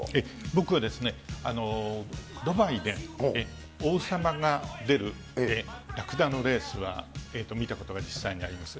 僕はドバイで、王様が出るラクダのレースは見たことが実際にあります。